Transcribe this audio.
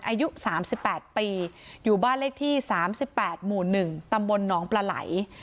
อายุสามสิบแปดปีอยู่บ้านเลขที่๓๘๑ตำบลหนองปลาไหล